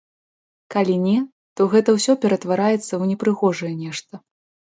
Калі не, то гэта ўсё ператвараецца ў непрыгожае нешта.